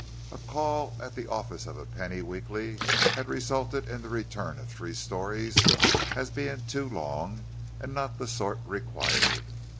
A call at the office of a penny weekly had resulted in the return of three stories as being too long and not the sort required.